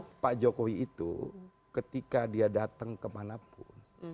karena pak jokowi itu ketika dia datang kemanapun